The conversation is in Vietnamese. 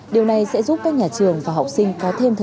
điều này sẽ giúp các nhà trường và học sinh có thêm thức